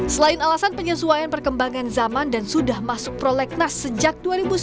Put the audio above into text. selain alasan penyesuaian perkembangan zaman dan sudah masuk prolegnas sejak dua ribu sembilan belas